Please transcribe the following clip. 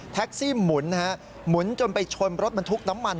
แท็กซี่หมุนหมุนจนไปชนรถบันทุกข์น้ำมัน